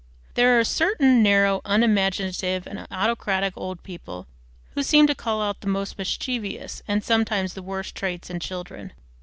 There are certain narrow, unimaginative, and autocratic old people who seem to call out the most mischievous, and sometimes the worst traits in children.